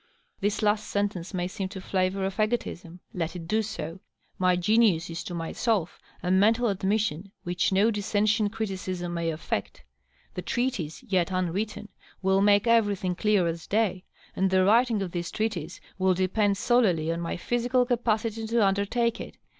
This last sentence may seem to flavor of ^otism. Let it do so. My genius is to myself a mental admission which no dissentient criti cism may affect. The treatise, yet unwritten, will make everything dear as aay ; and the writing of this treatise will depend solely on my {diysical capacity to underti2:e it.